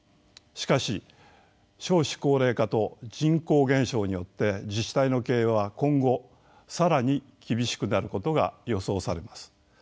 しかし少子高齢化と人口減少によって自治体の経営は今後更に厳しくなることが予想されます。